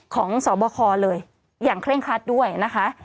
ของสบคเลยอย่างเคร่งครัดด้วยนะคะ